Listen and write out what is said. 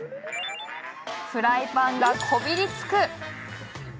フライパンがこびりつく。